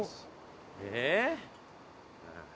えっ？